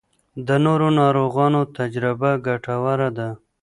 د نورو ناروغانو تجربه ګټوره ده.